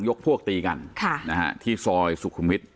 ยกพวกตีกันค่ะนะฮะที่ซอยสุขุมฤทธิ์